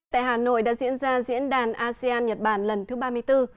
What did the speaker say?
tại hà nội đã diễn ra diễn đàn asean nhật bản lần thứ ba mươi bốn